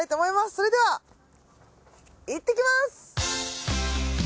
それではいってきます。